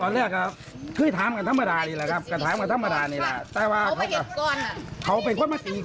เมื่องมือเป็นไงบ้างเศรษฐ์เบิ่ง